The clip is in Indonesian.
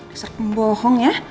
deser pembohong ya